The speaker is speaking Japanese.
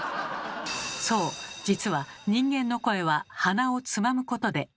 そう実は人間の声は鼻をつまむことで。